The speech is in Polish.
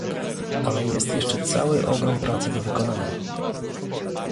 Ale jest jeszcze cały ogrom pracy do wykonania